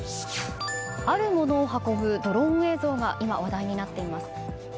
あるものを運ぶドローン映像が今、話題になっています。